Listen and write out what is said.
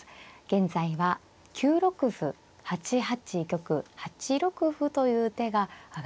現在は９六歩８八玉８六歩という手が挙がっています。